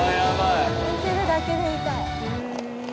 見てるだけで痛い。